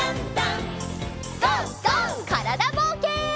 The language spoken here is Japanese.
からだぼうけん。